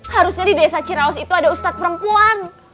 harusnya di desa ciraus itu ada ustadz perempuan